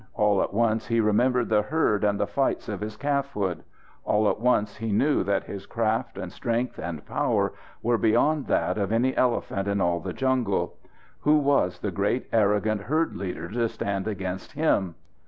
All at once he remembered the herd and the fights of his calfhood. All at once he knew that his craft and strength and power were beyond that of any elephant in all the jungle. Who was the great, arrogant herd leader to stand against him?